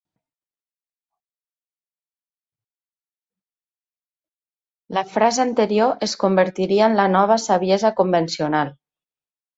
La frase anterior es convertiria en la nova saviesa convencional.